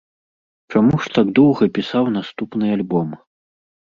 Чаму ж так доўга пісаў наступны альбом?